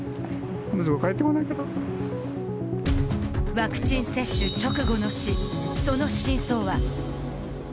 ワクチン接種直後の死その真相は。